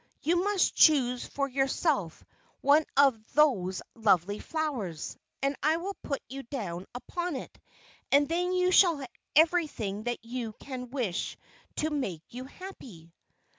You must choose for yourself one of those lovely flowers, and I will put you down upon it, and then you shall have everything that you can wish to make you happy."